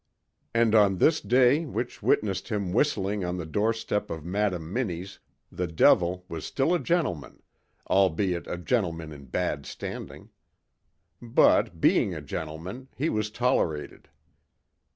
And on this day which witnessed him whistling on the doorstep of Madam Minnie's, the Devil was still a gentlemen, albeit a gentleman in bad standing. But, being a gentleman, he was tolerated.